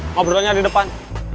ngobrolnya di depan